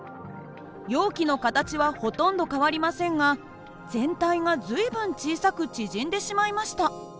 容器の形はほとんど変わりませんが全体が随分小さく縮んでしまいました。